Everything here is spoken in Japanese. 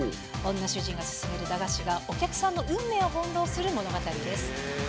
女主人が勧める駄菓子がお客さんの運命を翻弄する物語です。